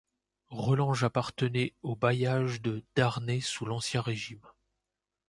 Relanges appartenait au bailliage de Darney sous l’Ancien Régime.